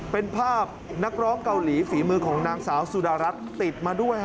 เป็นภาพนักร้องเกาหลีฝีมือของนางสาวสุดารัฐติดมาด้วย